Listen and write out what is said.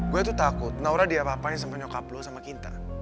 gue tuh takut naura dia apa apain sampe nyokap lo sama kita